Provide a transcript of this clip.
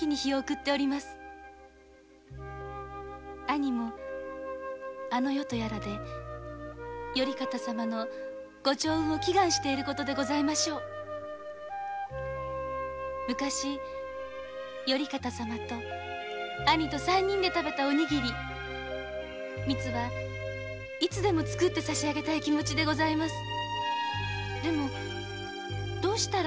兄もあの世とやらで頼方様のご長運を昔頼方様と兄と３人で食べたおにぎりみつはいつでも作って差し上げたい気持ちでございます